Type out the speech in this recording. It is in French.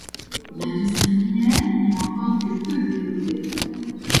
L'industrie minière n'y est encore que peu développée.